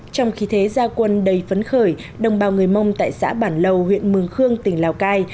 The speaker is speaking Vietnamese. trong khi thế gia quân đầy phấn khởi đồng bào người mông tại xã bản lầu huyện mường khương tỉnh lào cai